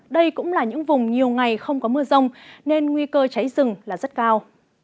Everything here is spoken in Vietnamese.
đây cũng là những vùng nhiều ngày không có mưa rông nên nguy cơ cháy rừng là rất cao